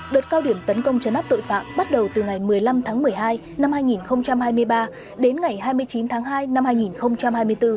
đợt cao điểm tấn công chấn áp tội phạm bắt đầu từ ngày một mươi năm tháng một mươi hai năm hai nghìn hai mươi ba đến ngày hai mươi chín tháng hai năm hai nghìn hai mươi bốn